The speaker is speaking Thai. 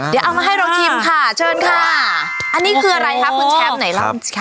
เดี๋ยวเอามาให้เราชิมค่ะเชิญค่ะอันนี้คืออะไรคะคุณแชมป์ไหนเล่าสิค่ะ